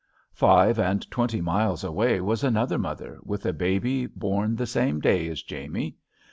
Five and twenty miles away was another mother, with a baby born the same day as Jamie.